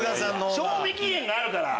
賞味期限があるから！